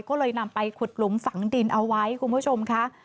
ก็เลยนำไปขุดหลุมฝังดินเอาไว้คุณผู้ชมค่ะ